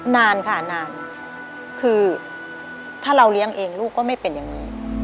นานค่ะนานคือถ้าเราเลี้ยงเองลูกก็ไม่เป็นอย่างนี้